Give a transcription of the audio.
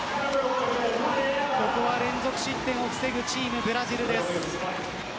ここは連続失点を防ぐチームブラジルです。